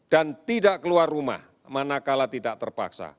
dan tidak keluar rumah manakala tidak terpaksa